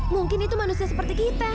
mungkin itu manusia seperti kita